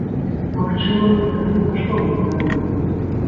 Магчыма, гэта будзе каштоўны падарунак.